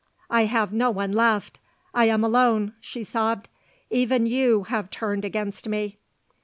"I have no one left. I am alone," she sobbed. "Even you have turned against me."